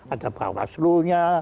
ada bahwa selunya